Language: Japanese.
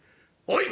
おい！」。